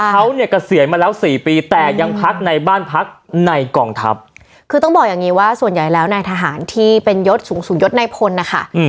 เขาเนี่ยเกษียณมาแล้วสี่ปีแต่ยังพักในบ้านพักในกองทัพคือต้องบอกอย่างงี้ว่าส่วนใหญ่แล้วนายทหารที่เป็นยศสูงสูงยศในพลนะคะ